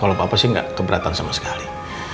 kalau papa sih nggak keberatan sama sekali